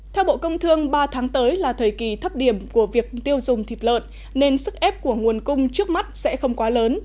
theo bộ công thương ba tháng tới là thời kỳ thấp điểm của việc tiêu dùng thịt lợn nên sức ép của nguồn cung trước mắt sẽ không quá lớn